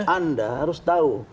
anda harus tahu